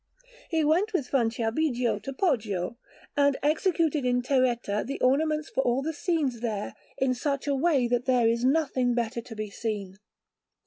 He went with Franciabigio to Poggio, and executed in terretta the ornaments for all the scenes there in such a way that there is nothing better to be seen.